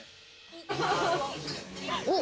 おっ！